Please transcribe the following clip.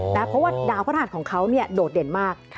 เพราะว่าดาวพระธาตุของเขาโดดเด่นมาก